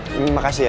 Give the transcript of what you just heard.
terima kasih ya